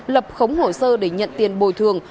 lập khống hồ sơ để nhận tiền bồi thường